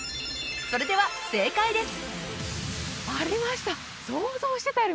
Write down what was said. それでは正解です